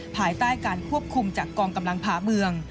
ภายใต้การควบคุมจากกองกำลังผ่าเมือง